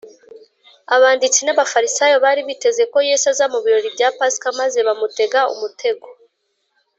abanditsi n’abafarisayo bari biteze ko yesu aza mu birori bya pasika, maze bamutega umutego